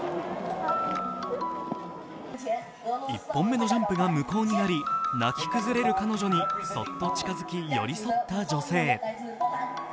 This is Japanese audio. １本目のジャンプが無効になり、泣き崩れる彼女にそっと近づき、寄り添った女性。